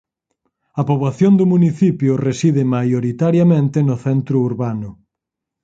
A poboación do municipio reside maioritariamente no centro urbano.